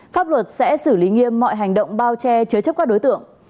pháp luật sẽ xử lý nghiêm mọi hành động bao che chứa chấp các đối tượng